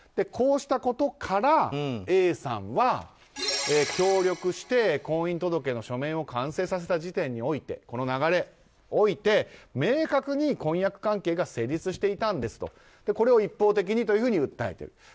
こうしたことからＡさんは協力して婚姻届の書面を完成させた時点においてこの流れ、明確に婚約関係が成立していたんですとこれを一方的にと訴えている。